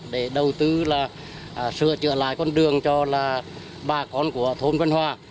để đầu tư là sửa chữa lại con đường cho bà con của thôn vân hòa